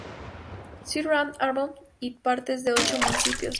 Sirve Ann Arbor y partes de ocho municipios.